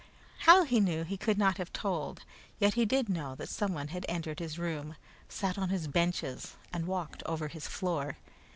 How he knew he could not have told, yet he did know that someone had entered his room, sat on his benches, and walked over his floor.